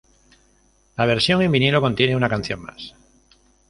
La versión en vinilo contiene una canción más.